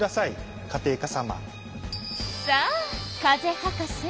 さあ風博士